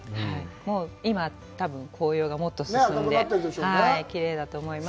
今、多分紅葉がもっと進んできれいだと思います。